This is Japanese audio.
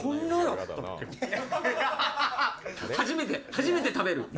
初めて食べる？